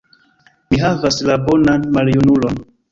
Mi havas la «bonan maljunulon».